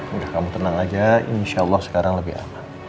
udah kamu tenang aja insya allah sekarang lebih aman